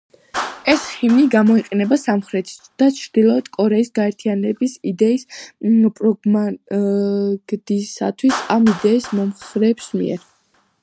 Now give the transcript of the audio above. ეს ჰიმნი გამოიყენება სამხრეთ და ჩრდილოეთ კორეის გაერთიანების იდეის პროპაგანდისათვის ამ იდეის მომხრეების მიერ.